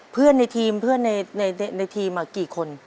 เพื่อนในทีมเพื่อนในทีมกี่คน